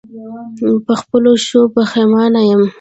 په خپلو ښو پښېمانه یم.